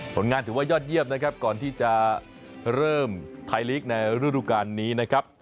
ผลงานถือว่ายอดเยี่ยมนะครับก่อนที่จะเริ่มไทยลีกในฤดูการนี้นะครับ